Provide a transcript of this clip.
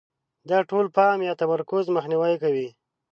د ټول پام یا تمرکز مخنیوی کوي.